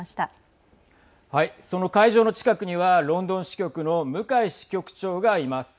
その会場の近くにはロンドン支局の向井支局長がいます。